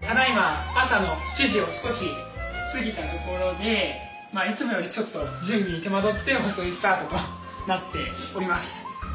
ただいま朝の７時を少し過ぎたところでいつもよりちょっと準備に手間取って遅いスタートとなっております。